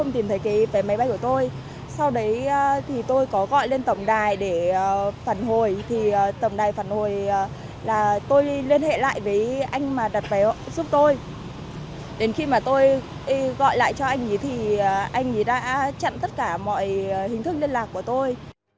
đến khi mà tôi gọi lại cho anh ấy thì anh ấy đã chặn tất cả mọi hình thức liên lạc của tôi